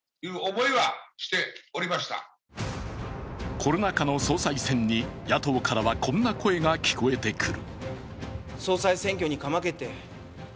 コロナ禍の総裁選に野党からはこんな声が聞こえてくる。